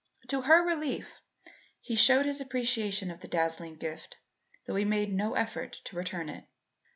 To her relief he showed his appreciation of the dazzling gift though he made no effort to return it.